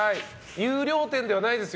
優良店ではないですよ。